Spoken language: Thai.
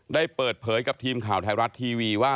ได้เปิดเผยกับทีมข่าวไทยรัฐทีวีว่า